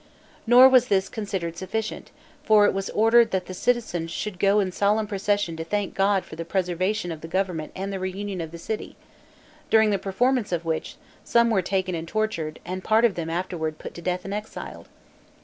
Nor was this considered sufficient; for it was ordered that the citizens should go in solemn procession to thank God for the preservation of the government and the reunion of the city, during the performance of which, some were taken and tortured, and part of them afterward put to death and exiled.